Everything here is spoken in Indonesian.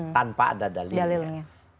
tanpa ada dalilnya